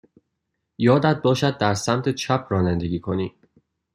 یادت باشد در سمت چپ رانندگی کنی.